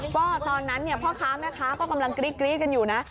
ก็ตอนนั้นพ่อค้าแม่ค้าก็กำลังกรี๊ดกันอยู่นะ